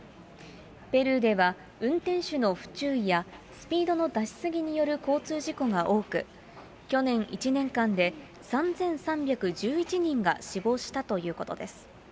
ペルーでは運転手の不注意や、スピードの出し過ぎによる交通事故が多く、去年１年間で３３１１人が死亡したということです。